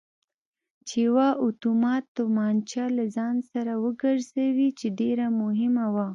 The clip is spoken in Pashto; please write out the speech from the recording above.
چې یوه اتومات تومانچه له ځان سر وګرځوي چې ډېره مهمه وه.